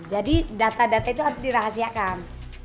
jadi data data itu harus dirahasiakan